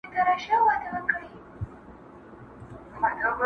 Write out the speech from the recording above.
پر غوټیو به راغلی، خزان وي، او زه به نه یم.!